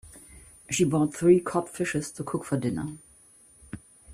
She bought three cod fishes to cook for dinner.